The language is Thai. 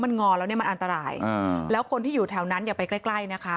มันงอนแล้วมันอันตรายแล้วคนที่อยู่แถวนั้นอย่าไปใกล้นะคะ